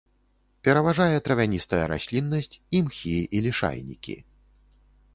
Пераважае травяністая расліннасць, імхі і лішайнікі.